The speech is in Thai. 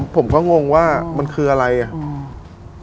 ผมก็งงว่ามันคืออะไรอ่ะอืม